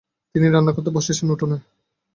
তিনি রান্না করতে বসেছেন উঠোনে।